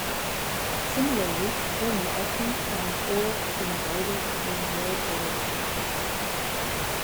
Similarly, Tony Oklend found ore in a boulder during World War One.